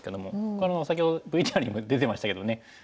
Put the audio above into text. これ先ほどＶＴＲにも出てましたけどね